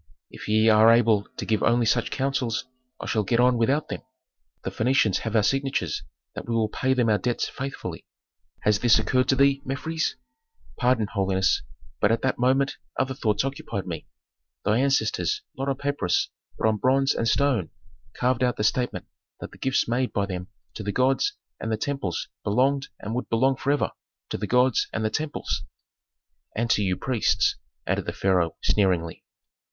If ye are able to give only such counsels I shall get on without them. The Phœnicians have our signatures that we will pay them our debts faithfully. Has this occurred to thee, Mefres?" "Pardon, holiness, but at that moment other thoughts occupied me. Thy ancestors, not on papyrus, but on bronze and stone carved out the statement that the gifts made by them to the gods and the temples belonged and would belong forever to the gods and the temples." "And to you priests," added the pharaoh, sneeringly.